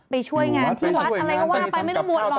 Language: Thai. ไปช่วยงานที่วัดอะไรก็ว่าไปไม่ต้องบวชหรอก